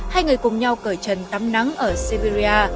hai người cùng nhau cởi trần tắm nắng ở siberia